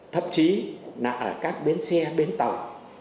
thậm chí là ở các bến xe bến tàu